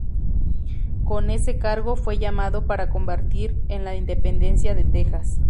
Con ese cargo fue llamado para combatir en la Independencia de Texas.